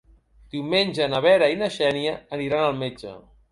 Diumenge na Vera i na Xènia aniran al metge.